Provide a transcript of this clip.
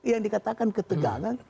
yang dikatakan ketegangan